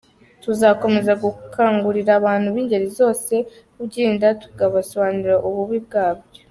Tuzakomeza gukangurira abantu b’ingeri zose kubyirinda tubasobanurira ububi bwabyo."